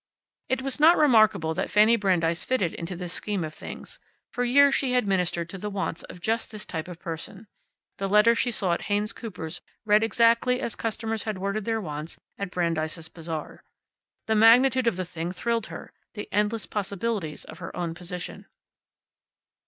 It was not remarkable that Fanny Brandeis fitted into this scheme of things. For years she had ministered to the wants of just this type of person. The letters she saw at Haynes Cooper's read exactly as customers had worded their wants at Brandeis' Bazaar. The magnitude of the thing thrilled her, the endless possibilities of her own position.